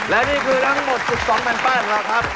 และนี่คือทั้งหมดสุดสองแปลนครับ